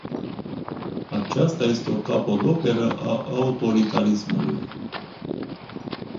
Aceasta este o capodoperă a autoritarismului.